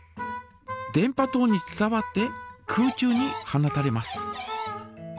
電波とうに伝わって空中に放たれます。